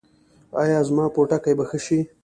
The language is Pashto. ایا زما پوټکی به ښه شي؟